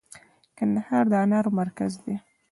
کندهار د انارو مرکز دی